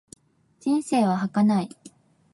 人生は儚い。